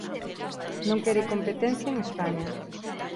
Non quere competencia en España.